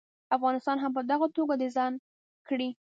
افغانستان هم په دغه توګه د ځان کړي.